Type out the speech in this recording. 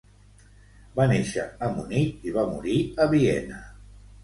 Va néixer a Munic i va morir a Viena.